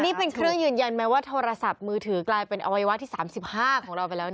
นี่เป็นเครื่องยืนยันไหมว่าโทรศัพท์มือถือกลายเป็นอวัยวะที่๓๕ของเราไปแล้ว